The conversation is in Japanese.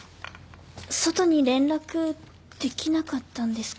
外に連絡できなかったんですか？